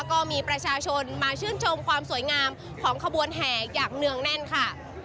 ก็มีประชาชนมาชื่นชมความสวยงามของขบวนแห่อย่างเนื่องแน่นค่ะ